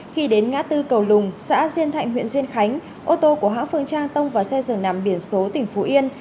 khi đến ngã tư cầu lùng xã diên thạnh huyện diên khánh ô tô của hãng phương trang tông và xe dừng nằm biển số tỉnh phú yên